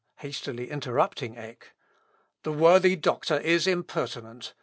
Luther (hastily interrupting Eck.) "The worthy doctor is impertinent.